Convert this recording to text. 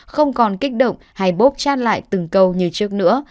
không còn kích động hay bốp chat lại từng câu như trước nữa